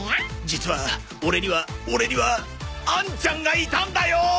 実はオレにはオレにはあんちゃんがいたんだよ！